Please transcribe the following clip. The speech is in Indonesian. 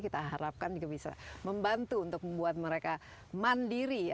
kita harapkan juga bisa membantu untuk membuat mereka mandiri